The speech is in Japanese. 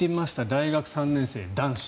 大学３年生、男子。